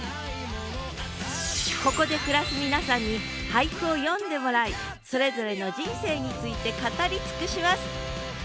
ここで暮らす皆さんに俳句を詠んでもらいそれぞれの人生について語り尽くします！